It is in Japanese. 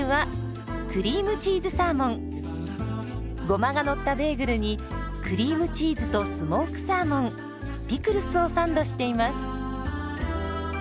ゴマがのったベーグルにクリームチーズとスモークサーモンピクルスをサンドしています。